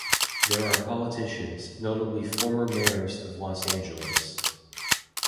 There are politicians, notably former Mayors of Los Angeles.